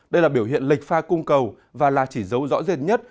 đây là biểu hiện lệch pha cung cầu và là chỉ dấu rõ rệt nhất